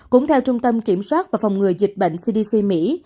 cũng theo trung tâm kiểm soát và phòng ngừa dịch bệnh cdc mỹ